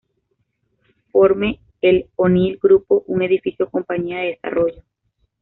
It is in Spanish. Forme el O'Neal Grupo, un edificio-compañía de desarrollo.